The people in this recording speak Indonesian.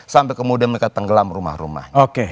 sampai kemudian mereka tenggelam rumah rumahnya